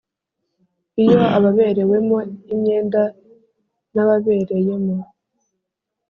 Iyo ababerewemo imyenda n ababereyemo